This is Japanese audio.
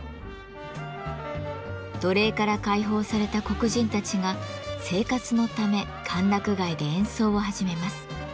奴隷から解放された黒人たちが生活のため歓楽街で演奏を始めます。